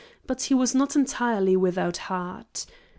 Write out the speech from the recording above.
But he was not entirely without heart.